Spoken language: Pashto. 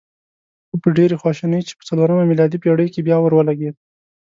خو په ډېرې خواشینۍ چې په څلورمه میلادي پېړۍ کې بیا اور ولګېد.